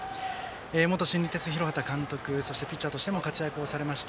元新日鉄広畑監督そしてピッチャーとしても活躍されました